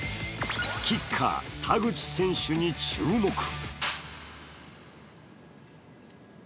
キッカー、田口選手に注目。